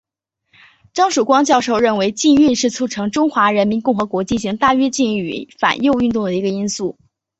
张曙光教授认为禁运是促成中华人民共和国进行大跃进与反右运动的一个因素。